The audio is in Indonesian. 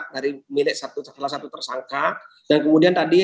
dari milik salah satu tersangka dan kemudian tadi